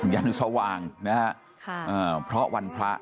ยันสว่างเพราะวันพระ